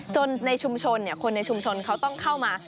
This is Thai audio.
ในชุมชนคนในชุมชนเขาต้องเข้ามา